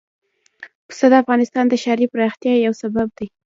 پسه د افغانستان د ښاري پراختیا یو سبب دی.